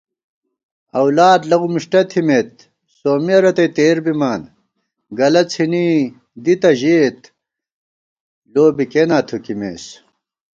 اؤلاد لؤ مِݭٹہ تھِمېت، سومِّیہ رتئ تېر بِمان * گلہ څھِنی دی تہ ژېت، لو بی کېناں تھُوکِمېس